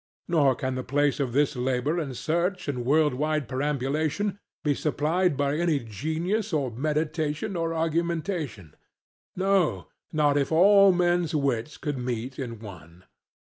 Nor can the place of this labour and search and worldwide perambulation be supplied by any genius or meditation or argumentation; no, not if all men's wits could meet in one.